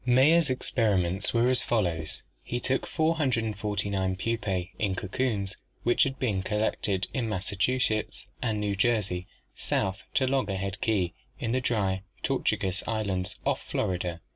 Mayer's experiments were as follows: He took "449 pups (in cocoons) which had been collected in Massachusetts and New Jersey, south to Loggerhead Key in the Dry Tortugas Islands off Florida.